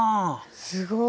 すごい。